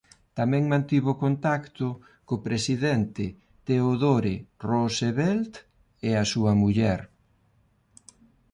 Tamén mantivo contacto co presidente Theodore Roosevelt e a súa muller.